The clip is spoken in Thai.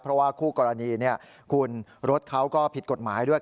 เพราะว่าคู่กรณีคุณรถเขาก็ผิดกฎหมายด้วย